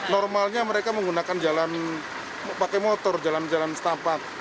normalnya mereka menggunakan jalan pakai motor jalan jalan setampak